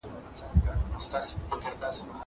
زه سبزېجات جمع کړي دي!